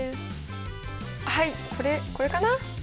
はいこれこれかな？